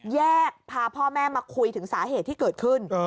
แยกพาพ่อแม่มาคุยถึงสาเหตุที่เกิดขึ้น